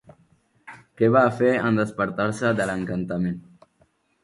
Què va fer en despertar-se de l'encantament?